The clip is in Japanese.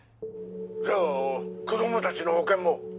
じゃあ子供たちの保険も？